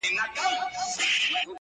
په ټوله کلي کي د دوو خبرو څوک نه لري,